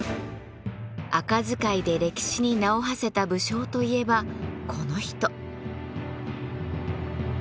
赤使いで歴史に名をはせた武将といえばこの人。